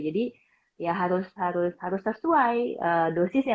jadi ya harus sesuai dosisnya